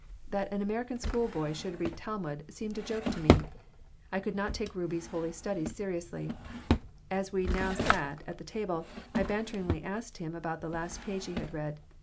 That an American school boy should read Talmud seemed a joke to me. I could not take Rubie's holy studies seriously. As we now sat at the table I banteringly asked him about the last page he had read.